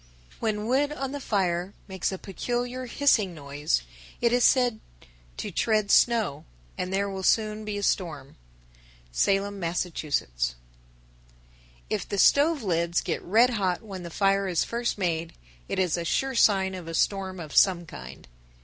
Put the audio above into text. _ 1055. When wood on the fire makes a peculiar hissing noise, it is said "to tread snow," and there will soon be a storm. Salem, Mass. 1056. If the stove lids get red hot when the fire is first made, it is a sure sign of a storm of some kind.